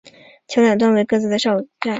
桥两端为各自的哨站。